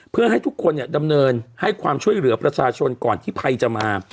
เพื่อให้ทุกคนดำเนินให้ความช่วยเหลือประชาชนก่อนที่ภัยจะมา